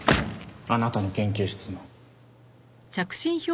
あなたの研究室の。